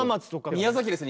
宮崎ですね